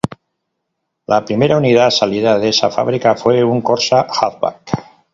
La primera unidad salida de esa fábrica, fue un Corsa Hatchback.